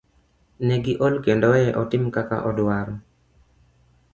Ne giol kendo weye otim kaka odwaro.